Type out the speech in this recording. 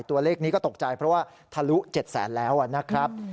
ตัวเลขนี้ก็ตกใจเพราะว่าทะลุ๗แสนแล้วนะครับ